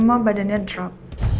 mama badannya drop